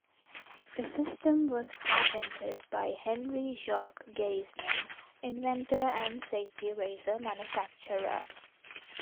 The system was patented by Henry Jacques Gaisman, inventor and safety razor manufacturer.